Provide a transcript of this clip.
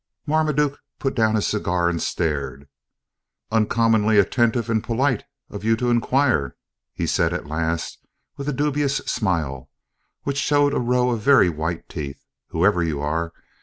Marmaduke put down his cigar and stared: "Uncommonly attentive and polite of you to inquire," he said at last, with a dubious smile, which showed a row of very white teeth, "whoever you are.